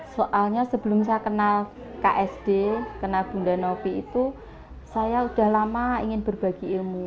soalnya sebelum saya kenal ksd kenal bunda novi itu saya sudah lama ingin berbagi ilmu